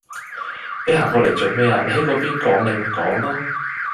你行過嚟做咩呀，你喺嗰邊講你咪講囉